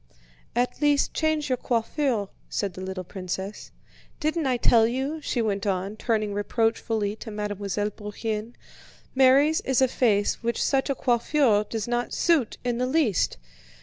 "At least, change your coiffure," said the little princess. "Didn't I tell you," she went on, turning reproachfully to Mademoiselle Bourienne, "Mary's is a face which such a coiffure does not suit in the least.